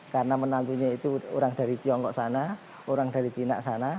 karena menantunya itu orang dari tiongkok sana orang dari china sana